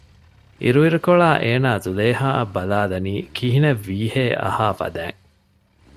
އިރުއިރުކޮޅާ އޭނާ ޒުލޭހާއަށް ބަލާލަނީ ކިހިނެއްވީހޭ އަހާ ފަދައިން